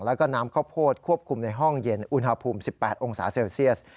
แล้วก็น้ำข้าวโพดควบคุมในห้องเย็นอุณหภูมิ๑๘องศาเซลเซียส